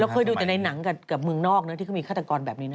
เคยดูแต่ในหนังกับเมืองนอกนะที่เขามีฆาตกรแบบนี้นะ